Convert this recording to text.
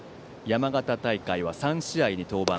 山形大会は３試合に登板。